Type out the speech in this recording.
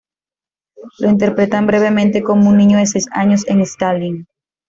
Lo interpretan brevemente como un niño de seis años en "Stalin".